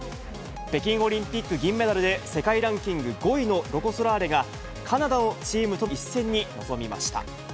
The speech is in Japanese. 北京オリンピック銀メダルで、世界ランキング５位のロコ・ソラーレが、カナダのチームとの一戦に臨みました。